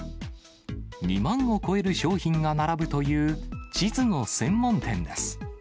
２万を超える商品が並ぶという地図の専門店です。